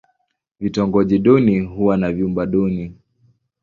Vitongoji duni huwa na vyumba duni.